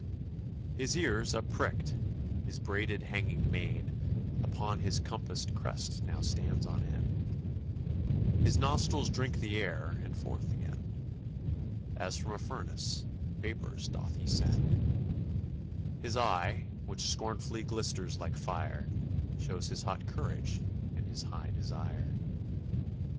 His ears up pricked, his braided hanging mane Upon his compassed crest now stands on end; His nostrils drink the air, and forth again, As from a furnace, vapors doth he send; His eye, which scornfully glisters like fire, Shows his hot courage and his high desire.